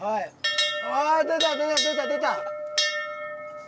ああ出た出た出た出た。